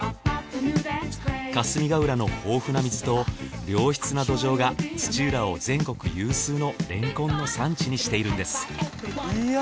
霞ヶ浦の豊富な水と良質な土壌が土浦を全国有数のれんこんの産地にしているんですいや